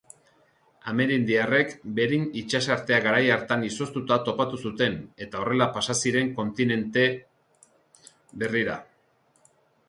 Amerindiarrek Bering itsasartea garai hartan izoztuta topatu zuten eta horrela pasa ziren kontinente berrira.